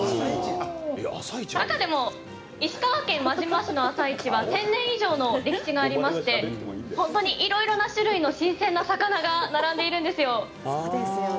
中でも、石川県輪島市の朝市は１０００年以上の歴史がありまして本当にいろいろな種類の新鮮な魚が並んでるんですよ。